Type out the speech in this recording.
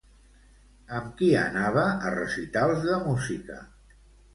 Amb qui anava a recitals de música?